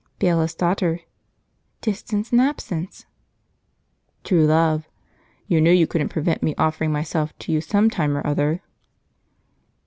Bailiff's Daughter. "Distance and absence." True Love. "You knew you couldn't prevent my offering myself to you sometime or other."